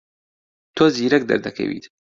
تۆ زیرەک دەردەکەویت.